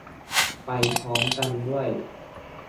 ไปพร้อมกันด้วย